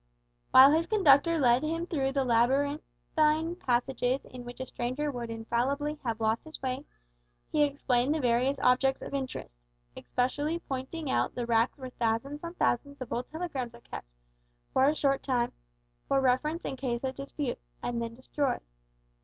While his conductor led him through the labyrinthine passages in which a stranger would infallibly have lost his way, he explained the various objects of interest especially pointing out the racks where thousands on thousands of old telegrams are kept, for a short time, for reference in case of dispute, and then destroyed.